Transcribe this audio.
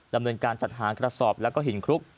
ดำเนินการจัดหากระสอบแล้วก็หินคลุก